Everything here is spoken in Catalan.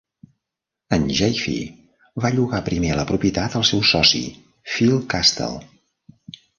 En Jaffe, va llogar primer la propietat al seu soci, Phil Kastel.